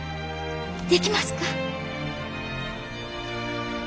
できますか？